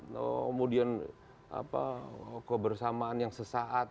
kemudian kebersamaan yang sesaat